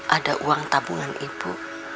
ada uang tabungan ibu